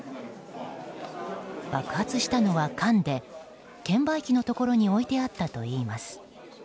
爆発したのは缶で券売機のところに置いてあったといいます。